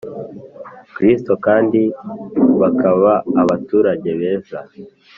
Kristo kand bakaba abaturage beza